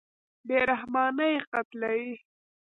بېرحمانه یې قتلوي.